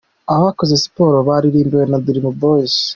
Abakoze siporo baririmbiwe na Dream Boys.